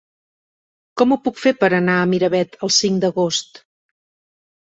Com ho puc fer per anar a Miravet el cinc d'agost?